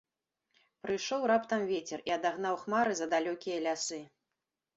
Прыйшоў раптам вецер і адагнаў хмары за далёкія лясы.